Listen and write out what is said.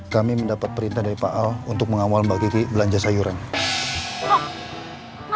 kami mendapat perintah dari pak al untuk mengawal mbak kiki belanja sayuran